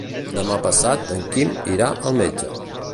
Demà passat en Quim irà al metge.